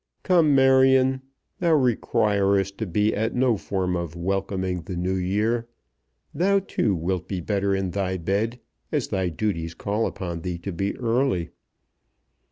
Come, Marion, thou requirest to be at no form of welcoming the New Year. Thou, too, wilt be better in thy bed, as thy duties call upon thee to be early."